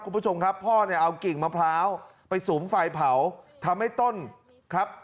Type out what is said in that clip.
คุณผู้ชมครับพ่อเนี่ยเอากิ่งมะพร้าวไปสุมไฟเผาทำให้ต้นครับ